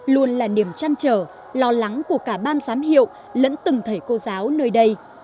luôn là niềm chăn trở lo lắng của cả ban giám hiệu lẫn từng thầy học